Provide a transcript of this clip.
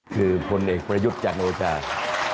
คือคนเอกประยุกต์จากโลกชาติ